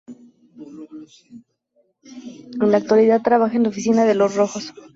En la actualidad trabaja en la oficina de los Rojos.